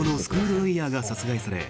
ロイヤーが殺害され